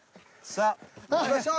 さあいきましょう。